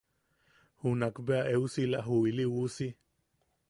Junak bea eusila ju ili uusi.